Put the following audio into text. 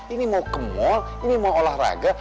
ini mau ke mall ini mau olahraga